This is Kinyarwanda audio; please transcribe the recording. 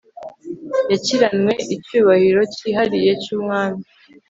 yakiranwe icyubahiro cyihariye cyumwami